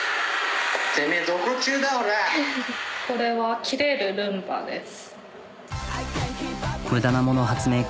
これはキレるルンバです。